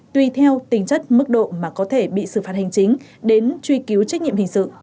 tùy theo tính chất mức độ mà có thể bị xử phạt hành chính đến truy cứu trách nhiệm hình sự